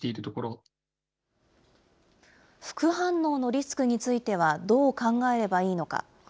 リスクについてはどう考えればいいのか。